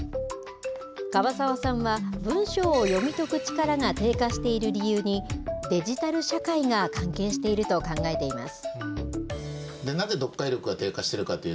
樺沢さんは、文章を読み解く力が低下している理由に、デジタル社会が関係していると考えています。